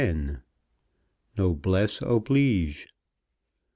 "NOBLESSE OBLIGE."